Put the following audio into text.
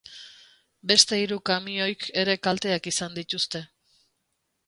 Beste hiru kamioik ere kalteak izan dituzte.